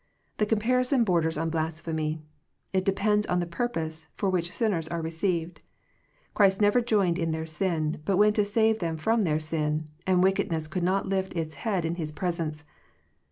The comparison borders on blasphemy. It depends on the purpose, for which sin ners are received. Christ never joined in their sin, but went to save them from their sin ; and wickedness could not lift its head in His presence.